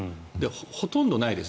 ほとんどないです。